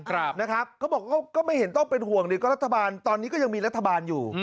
เขาบอกก็ไม่เห็นต้องเป็นห่วงตอนนี้ก็ยังมีรัฐบาลอยู่